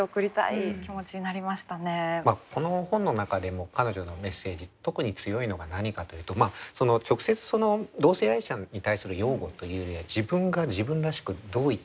この本の中でも彼女のメッセージ特に強いのが何かというと直接その同性愛者に対する擁護というよりは自分が自分らしくどう生きるべきなのか。